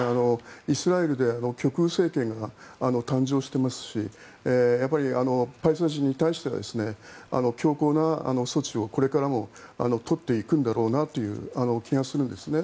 イスラエルで極右政権が誕生していますしパレスチナ人に対しては強硬な措置をこれからも取っていくんだろうなという気がするんですね。